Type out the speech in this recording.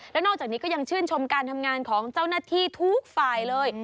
แล้วนอกจากนี้ก็ยังชื่นชมการทำงานของเจ้าหน้าที่ทุกฝ่ายเลย